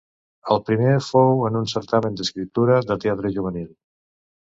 El primer fou en un certamen d’escriptura de teatre juvenil.